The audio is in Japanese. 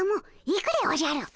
行くでおじゃる！